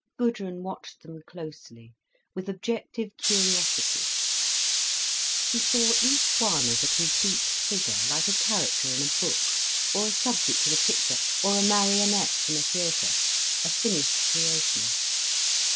Gudrun watched them closely, with objective curiosity. She saw each one as a complete figure, like a character in a book, or a subject in a picture, or a marionette in a theatre, a finished creation.